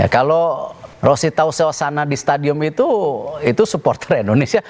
kalau rosi tahu suasana di stadium itu itu supporter indonesia